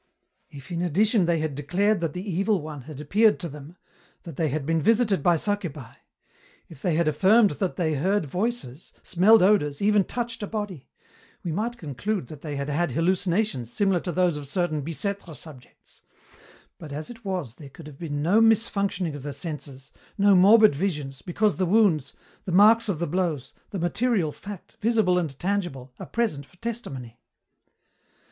"If in addition they had declared that the Evil One had appeared to them, that they had been visited by succubi; if they had affirmed that they had heard voices, smelled odours, even touched a body; we might conclude that they had had hallucinations similar to those of certain Bicêtre subjects, but as it was there could have been no misfunctioning of the senses, no morbid visions, because the wounds, the marks of the blows, the material fact, visible and tangible, are present for testimony.